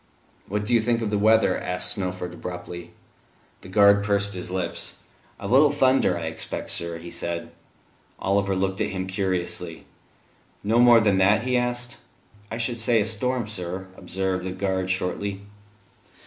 "What do you think of the weather?" asked Snowford abruptly. The guard pursed his lips. "A little thunder, I expect, sir," he said. Oliver looked at him curiously. "No more than that?" he asked. "I should say a storm, sir," observed the guard shortly.